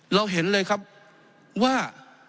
เราเห็นเลยครับว่า